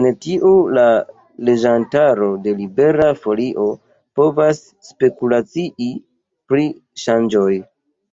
El tio la legantaro de Libera Folio povas spekulacii pri la ŝangoj.